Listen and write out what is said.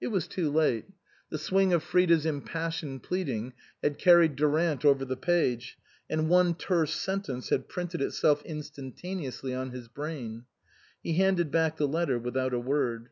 It was too late ; the swing of Frida's impassioned pleading had carried Durant over the page, and one terse sentence had printed itself instan taneously on his brain. He handed back the letter without a word.